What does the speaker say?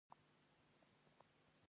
پر هره نمره باندې یوه یوه افغانۍ شرط لرو.